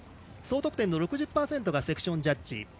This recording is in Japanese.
総得点の６０％がセクションジャッジ。